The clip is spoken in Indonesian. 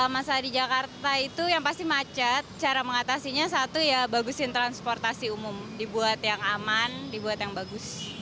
masalah di jakarta itu yang pasti macet cara mengatasinya satu ya bagusin transportasi umum dibuat yang aman dibuat yang bagus